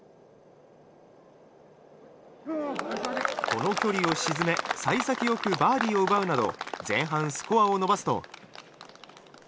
この距離を沈め幸先よくバーディーを奪うなど前半スコアを伸ばすと。